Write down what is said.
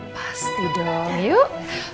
pasti dong yuk